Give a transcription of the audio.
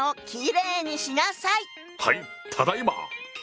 はいただいま！